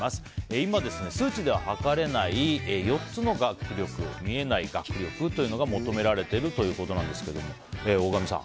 今、数値では測れない４つの学力見えない学力というのが求められているということですが大神さん